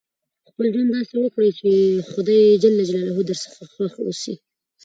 خپل ژوند داسي وکړئ، چي خدای جل جلاله درڅخه خوښ اوسي.